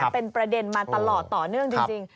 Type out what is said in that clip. เป็นประเด็นมาตลอดต่อเนื่องจริง